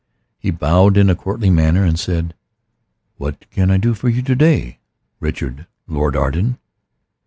He bowed in a courtly manner, and said "What can I do for you to day, Richard Lord Arden?"